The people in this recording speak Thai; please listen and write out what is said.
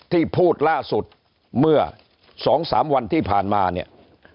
ที่พูดล่าสุดเมื่อ๒๓วันที่ผ่านมาเนี่ย